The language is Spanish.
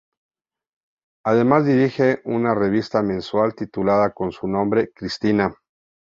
Además, dirige una revista mensual titulada con su nombre, "Cristina".